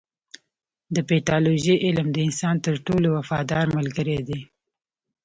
د پیتالوژي علم د انسان تر ټولو وفادار ملګری دی.